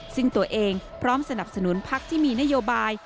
ซึ่งตัวเองพร้อมสนับสนุนพักที่มีนโยบาย